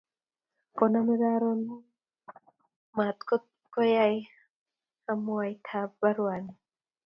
koname karon mu matukuyoe anwamitab baruani